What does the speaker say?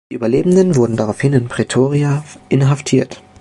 Die Überlebenden wurden daraufhin in Pretoria inhaftiert.